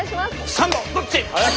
「サンドどっち」！